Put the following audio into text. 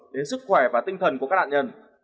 đến sức khỏe và tinh thần của các nạn nhân